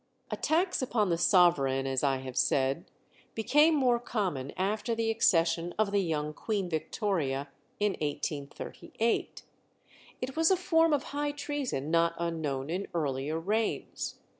Attacks upon the sovereign, as I have said, became more common after the accession of the young Queen Victoria in 1838. It was a form of high treason not unknown in earlier reigns.